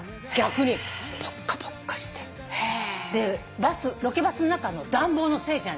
バスロケバスの中の暖房のせいじゃない。